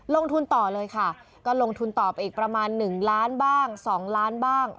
ลงทุนต่อเลยค่ะก็ลงทุนต่อไปอีกประมาณ๑ล้านบ้าง๒ล้านบ้าง